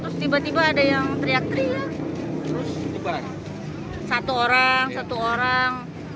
satu orang satu orang